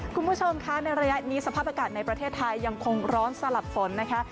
คุณผู้ชมคะในระยะนี้สภาพอากาศในประเทศไทยยังคงร้อนสลับฝนนะคะ